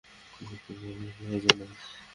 মৃত্যুর পরে কী হয় জানো?